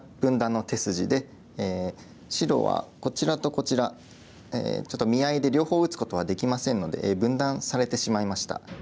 白はこちらとこちらちょっと見合いで両方打つことはできませんので分断されてしまいました。